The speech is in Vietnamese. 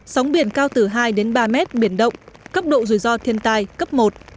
sóng biển cao từ hai đến ba mét biển động cấp độ rủi ro thiên tai cấp một